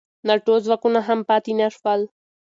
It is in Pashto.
ناټو ځواکونه هم پاتې نه شول.